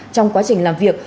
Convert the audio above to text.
trong quá trình làm việc